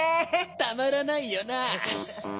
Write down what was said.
たまらないよな。